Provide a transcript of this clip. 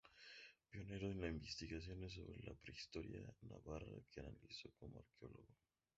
Pionero en las investigaciones sobre la prehistoria navarra que analizó como arqueólogo.